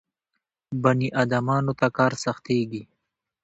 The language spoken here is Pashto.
بني ادمانو ته کار سختېږي.